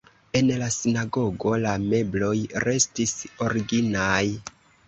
En la sinagogo la mebloj restis originaj.